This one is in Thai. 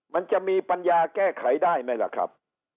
มันจะมีปัญญาแก้ไขได้ไหมล่ะครับ